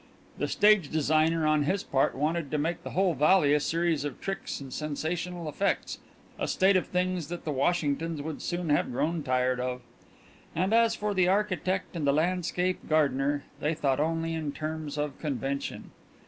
The stage designer on his part wanted to make the whole valley a series of tricks and sensational effects a state of things that the Washingtons would soon have grown tired of. And as for the architect and the landscape gardener, they thought only in terms of convention.